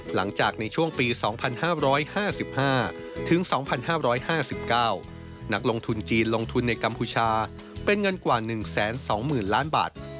หลังจากในช่วงปี๒๕๕๕๒๕๕๙นักลงทุนจีนลงทุนในกัมพูชาเป็นเงินกว่า๑๒๐๐๐ล้านบาท